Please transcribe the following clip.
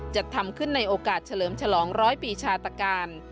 จัดทำขึ้นในโอกาสเฉลิมฉลองร้อยปีชาตการ